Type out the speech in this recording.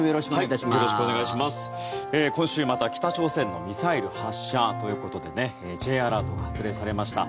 今週、また北朝鮮のミサイル発射ということでＪアラートも発令されました。